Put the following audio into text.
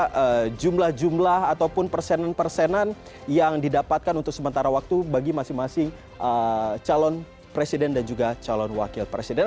ada jumlah jumlah ataupun persenan persenan yang didapatkan untuk sementara waktu bagi masing masing calon presiden dan juga calon wakil presiden